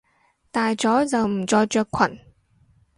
大咗就唔再着裙！